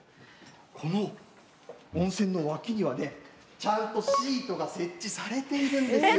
この温泉の脇にはねちゃんとシートが設置されているんですよ。